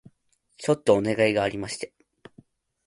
ちょっとお願いがありまして